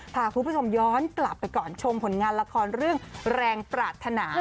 พาคุณผู้ชมย้อนกลับไปก่อนชมผลงานละครเรื่องแรงปรารถนา